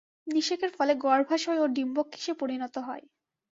নিষেকের ফলে গর্ভাশয় ও ডিম্বক কিসে পরিণত হয়?